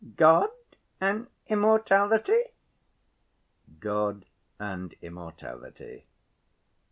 "God and immortality?" "God and immortality.